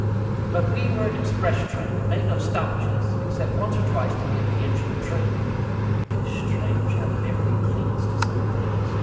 But we were an express train, and made no stoppages, excepting once or twice to give the engine a drink. It is strange how the memory clings to some things.